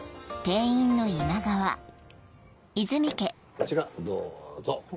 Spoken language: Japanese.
こちらどうぞ。